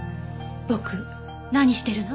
ボク何してるの？